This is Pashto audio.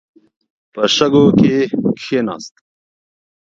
په شګو کې کښیناست.